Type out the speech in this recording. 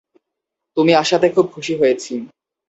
তুমি আসাতে খুব খুশি হয়েছি।